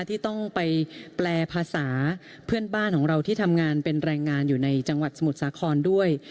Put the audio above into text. ที่ต้องไปแปลภาษาเพื่อนบ้านของเราที่ทำงานเป็นแรงงานอยู่ในจังหวัดสมุทรสาครด้วย